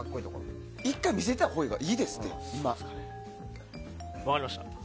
１回見せたほうがいいですって、そうですかね、分かりました。